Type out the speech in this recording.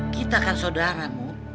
kita kan sodaramu